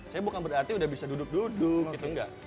saya bukan berarti udah bisa duduk duduk gitu enggak